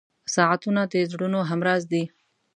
• ساعتونه د زړونو همراز دي.